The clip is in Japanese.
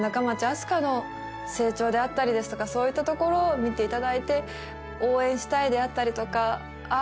あす花の成長であったりですとかそういったところを見ていただいて応援したいであったりとかあ